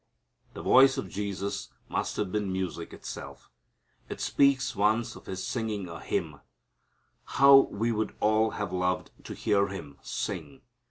The voice of Jesus must have been music itself. It speaks once of His singing a hymn. How we would all have loved to hear Him sing!